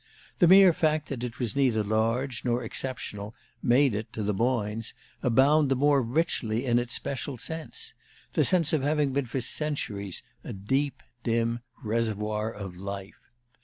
The mere fact that it was neither large nor exceptional made it, to the Boynes, abound the more richly in its special sense the sense of having been for centuries a deep, dim reservoir of life.